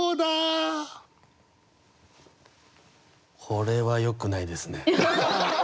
これはよくないですね。